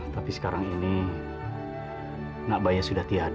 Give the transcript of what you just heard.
tapi sekarang ini nak bayah sudah tiada